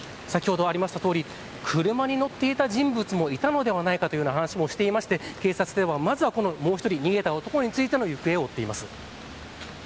ただ先ほどもありましたとおり車に乗っていた人物もいたのではないかという話もしていて警察では、まずはもう１人逃げた男の行方を追っています。